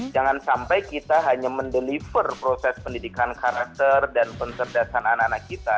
jangan sampai kita hanya mendeliver proses pendidikan karakter dan pencerdasan anak anak kita